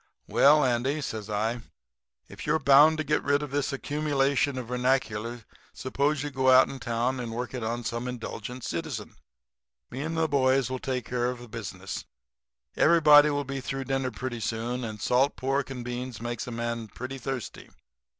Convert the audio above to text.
"'Well, Andy,' says I, 'if you are bound to get rid of this accumulation of vernacular suppose you go out in town and work it on some indulgent citizen. Me and the boys will take care of the business. Everybody will be through dinner pretty soon, and salt pork and beans makes a man pretty thirsty.